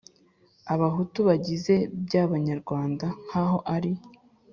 Abahutu, bagize by'Abanyarwanda nk'aho ari